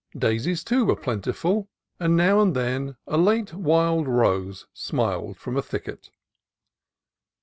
Daisies, too, were plentiful, and now and then a late wild rose smiled from a thicket.